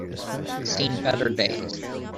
Seen better days